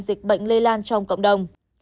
dịch bệnh lây lan trong cộng đồng